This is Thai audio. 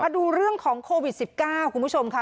ดูเรื่องของโควิด๑๙คุณผู้ชมค่ะ